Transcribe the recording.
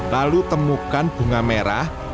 lalu temukan bunga merah